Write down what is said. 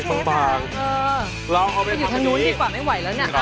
อยู่ทางนู้นดีกว่าไม่ไหวแล้วเนี่ย